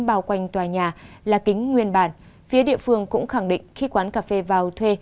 bao quanh tòa nhà là kính nguyên bản phía địa phương cũng khẳng định khi quán cà phê vào thuê